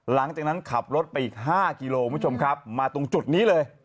หลังจากนั้นขับรถไปอีก๕กิโลคุณผู้ชมครับมาตรงจุดนี้เลย